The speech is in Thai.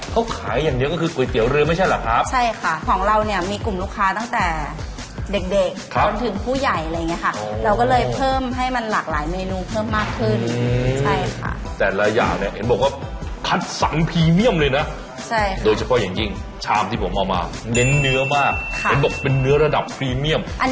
สงสัยจะอดใจไม่ไหวแล้วล่ะมั้งเนี่ย